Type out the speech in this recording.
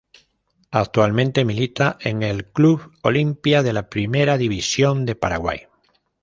Actualmente milita en el Club Olimpia de la Primera División de Paraguay.